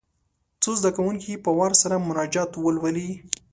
څو زده کوونکي په وار سره مناجات ولولي.